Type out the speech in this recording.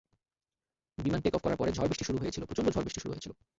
বিমান টেক-অফ করার পরে ঝড়বৃষ্টি শুরু হয়েছিল, প্রচন্ড ঝড়বৃষ্টি শুরু হয়েছিল।